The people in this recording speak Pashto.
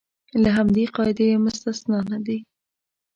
له همدې قاعدې مستثنی نه دي.